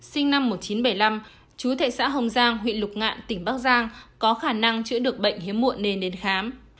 sinh năm một nghìn chín trăm bảy mươi năm chú thệ xã hồng giang huyện lục ngạn tỉnh bắc giang có khả năng chữa được bệnh hiếm muộn nên đến khám